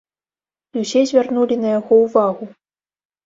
І ўсе звярнулі на яго ўвагу.